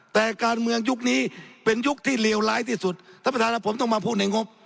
แต่การเมืองยุคนี้เป็นยุคที่เลวร้ายที่สุดท่านประธานผมต้องมาพูดในงบ